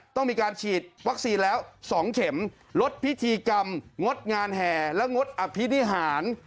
ต้องมีการฉีดวัคซีนแล้ว๒เข็มลดพิธีกรรมงดงานแห่และงดอภินิหาร